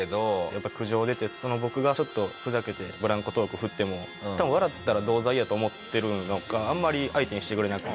やっぱり苦情出て僕がふざけてブランコトークを振っても多分笑ったら同罪やと思ってるのかあんまり相手にしてくれない。